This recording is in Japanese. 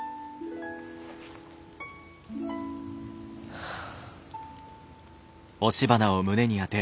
はあ。